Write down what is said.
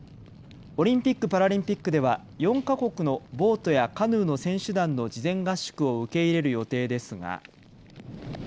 オリンピック・パラリンピックでは４か国のボートやカヌーの選手団の事前合宿を受け入れる予定ですが。